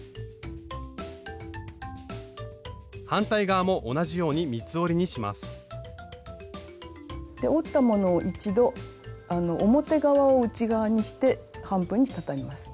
反対側も同じように三つ折りにしますで折ったものを一度表側を内側にして半分にたたみます。